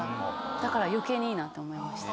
だから余計にいいなって思いました。